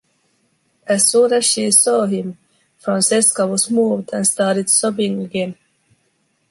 As soon as she saw him, Francesca was moved and started sobbing again.